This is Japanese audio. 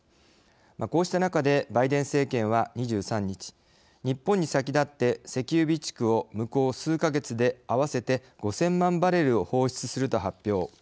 こうした中で、バイデン政権は２３日、日本に先立って石油備蓄を、むこう数か月で合わせて５０００万バレルを放出すると発表。